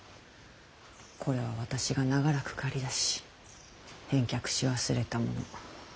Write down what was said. これは私が長らく借り出し返却し忘れたもの。